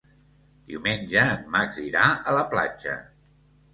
Diumenge en Max irà a la platja.